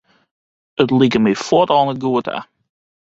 It like my fuort al net goed ta.